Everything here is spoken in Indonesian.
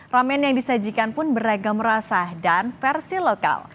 ramen yang disajikan pun beragam rasa dan versi lokal